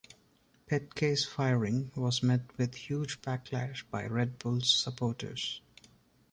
Petke's firing was met with huge backlash by Red Bulls supporters.